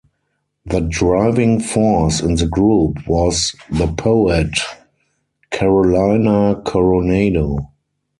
The driving force in the group was the poet Carolina Coronado.